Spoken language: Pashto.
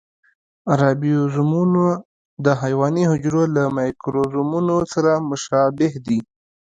رایبوزومونه د حیواني حجرو له مایکروزومونو سره مشابه دي.